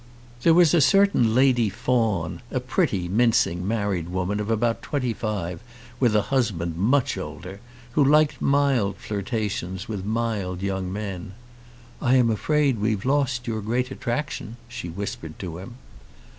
There was a certain Lady Fawn, a pretty mincing married woman of about twenty five, with a husband much older, who liked mild flirtations with mild young men. "I am afraid we've lost your great attraction," she whispered to him.